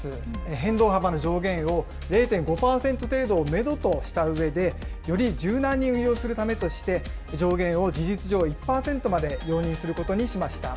変動幅の上限を０．５％程度をメドとしたうえで、より柔軟に運用するためとして、上限を事実上１％まで容認することにしました。